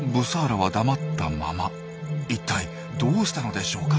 一体どうしたのでしょうか？